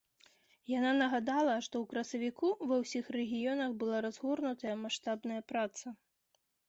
Яна нагадала, што ў красавіку ва ўсіх рэгіёнах была разгорнутая маштабная праца.